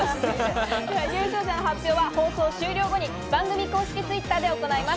優勝者の発表は放送終了後に番組公式Ｔｗｉｔｔｅｒで行います。